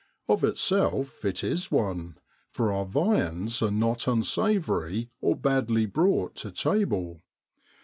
Of itself it is one, for our viands are not un savoury or badly brought to table.